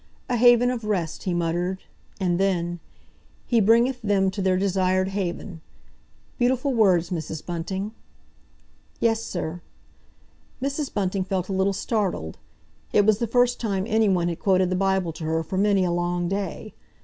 "A haven of rest," he muttered; and then, "'He bringeth them to their desired haven.' Beautiful words, Mrs. Bunting." "Yes, sir." Mrs. Bunting felt a little startled. It was the first time anyone had quoted the Bible to her for many a long day.